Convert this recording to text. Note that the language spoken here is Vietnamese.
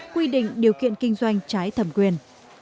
quy định điều kiện kinh doanh trái thẩm quyền